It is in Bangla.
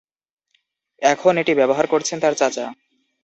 এখন এটি ব্যবহার করছেন তাঁর চাচা।